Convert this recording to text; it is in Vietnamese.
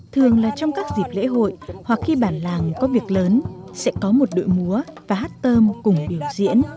thường là trong các dịp lễ hội hoặc khi bản làng có việc lớn sẽ có một đội múa và hát tôm cùng biểu diễn